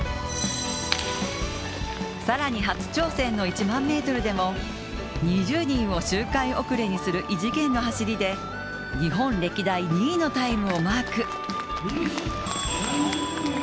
更に初挑戦の１００００ｍでも２０人を周回遅れにする異次元の走りで日本歴代２位のタイムをマーク。